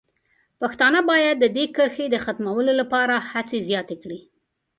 پښتانه باید د دې کرښې د ختمولو لپاره هڅې زیاتې کړي.